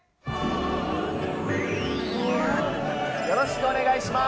よろしくお願いします。